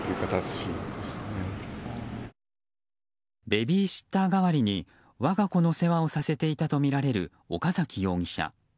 ベビーシッター代わりに我が子の世話をさせていたとみられる岡崎容疑者。